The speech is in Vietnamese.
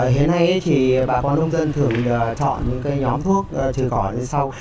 hiện nay thì bà con nông dân thường chọn những cái nhóm thuốc chữa cỏ như sau